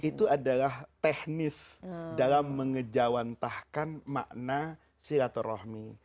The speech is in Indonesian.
itu adalah teknis dalam mengejawantahkan makna silaturahmi